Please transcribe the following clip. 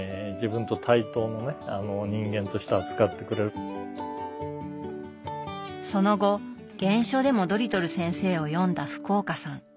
そしてその後原書でもドリトル先生を読んだ福岡さん。